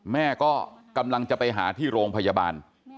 แม่ก็กำลังจะไปหาที่โรงพยาบาล